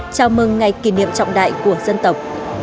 chào mừng ngày kỷ niệm trọng đại của dân tộc